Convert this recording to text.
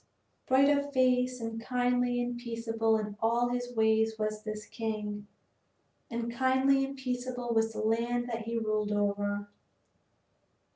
Bright of face and kindly and peaceable in all his ways was this king, and kindly and peaceable was the land that he ruled over.